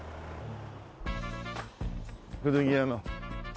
古着屋の。